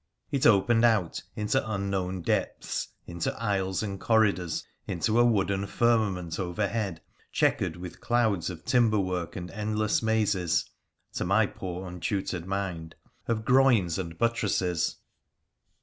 It opened out into unknown depths, into aisles and corridors, into a wooden firmament overhead, chequered with clouds of timber work and endless mazes (to my poor untutored mind) of groins and buttresses.